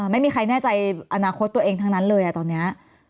ไม่แน่ใจแน่ใจอนาคตตัวเองทั้งนั้นเลยตอนนี้